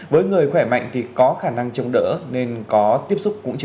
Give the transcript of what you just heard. với người khỏe mạnh thì có khả năng